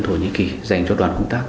nhân dân thổ nhĩ kỳ dành cho đoàn công tác